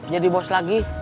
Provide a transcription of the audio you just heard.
jadi bos lagi